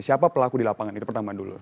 siapa pelaku di lapangan itu pertama dulu